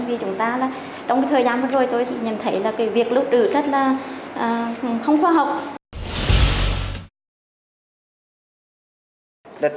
đơn vị chúng ta là trong thời gian vừa rồi tôi nhận thấy là cái việc lưu trữ rất là không khoa học